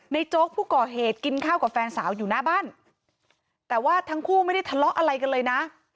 โจ๊กผู้ก่อเหตุกินข้าวกับแฟนสาวอยู่หน้าบ้านแต่ว่าทั้งคู่ไม่ได้ทะเลาะอะไรกันเลยนะ